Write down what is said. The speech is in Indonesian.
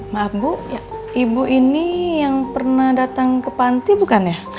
maaf bu ibu ini yang pernah datang ke panti bukan ya